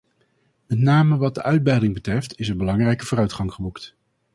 Met name wat de uitbreiding betreft, is er belangrijke vooruitgang geboekt.